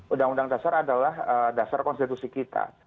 undang undang dasar adalah dasar konstitusi kita